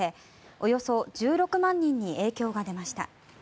およそ１６万人に影響が出ました。